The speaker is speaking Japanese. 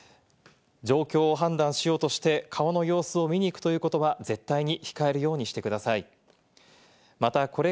状況を判断しようとして、川の様子を見に行くということは絶対に控えるようにしてください。